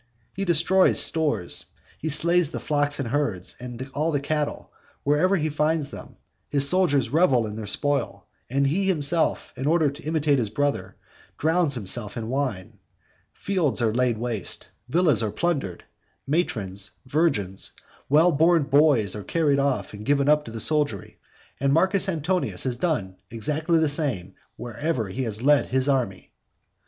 He destroys stores, he slays the flocks and herds, and all the cattle, wherever he finds them, his soldiers revel in their spoil, and he himself, in order to imitate his brother, drowns himself in wine. Fields are laid waste, villas are plundered, matrons, virgins, well born boys are carried off and given up to the soldiery, and Marcus Antonius has done exactly the same wherever he has led his army.